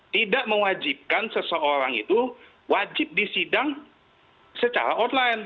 tidak mewajibkan seseorang itu wajib disidang secara online